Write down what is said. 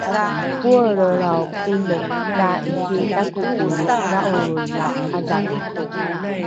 poelrelrao kone taiki takopili va’oro la ’adhamai